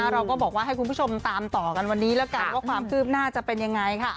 เราก็บอกว่าให้คุณผู้ชมตามต่อกันวันนี้แล้วกันว่าความคืบหน้าจะเป็นยังไงค่ะ